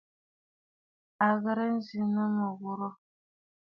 À ghɨ̀rə nzì nɨ mɨ̀ghurə̀.